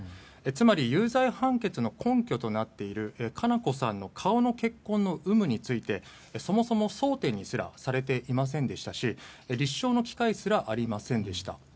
つまり有罪判決の根拠となっている佳菜子さんの顔の血痕の有無についてそもそも争点にすらされていませんでしたし立証の機会すらありませんでした。